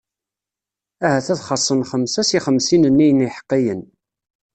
Ahat ad xaṣṣen xemsa si xemsin-nni n iḥeqqiyen.